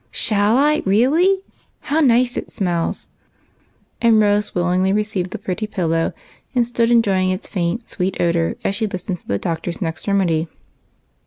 " Shall I really ? How nice it smells." And Rose willingly received the pretty pillow, and stood enjoying its faint, sweet odor, as she listened to the doctor's next remedy.